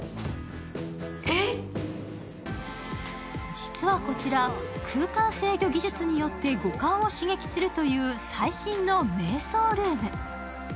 実はこちら、空間制御技術によって五感を刺激するという最新のめい想ルーム。